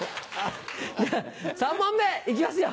３問目行きますよ！